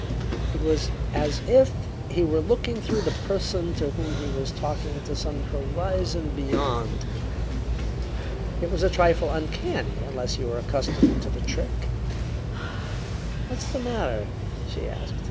It was as if he were looking through the person to whom he was talking to some horizon beyond. It was a trifle uncanny, unless you were accustomed to the trick. "What's the matter?" she asked.